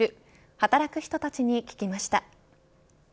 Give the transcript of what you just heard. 働く人たちに聞きました。